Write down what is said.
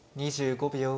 ２５秒。